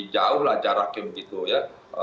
jauhlah jaraknya begitu ya